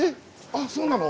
あっそうなの！？